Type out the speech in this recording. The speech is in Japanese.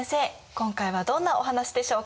今回はどんなお話でしょうか？